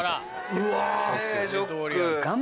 うわ。